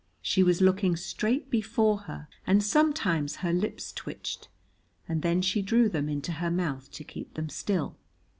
She was looking straight before her, and sometimes her lips twitched, and then she drew them into her mouth to keep them still.